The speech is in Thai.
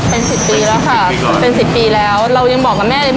เป็นสิบปีแล้วค่ะเป็นสิบปีแล้วเรายังบอกกับแม่เลย